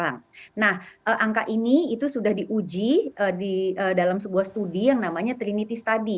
nah angka ini itu sudah diuji dalam sebuah studi yang namanya trinity study